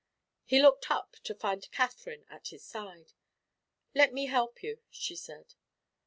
He looked up, to find Katherine at his side. "Let me help you," she said.